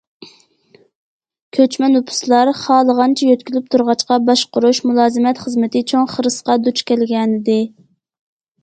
كۆچمە نوپۇسلار خالىغانچە يۆتكىلىپ تۇرغاچقا، باشقۇرۇش، مۇلازىمەت خىزمىتى چوڭ خىرىسقا دۇچ كەلگەنىدى.